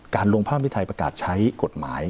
การลงพระอำนาจอธิปไตยประกาศใช้กฎหมาย